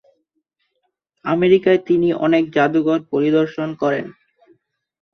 আমেরিকায় তিনি অনেক জাদুঘর পরিদর্শন করেন।